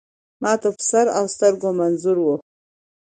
ما ته په سر اوسترګو منظور وه .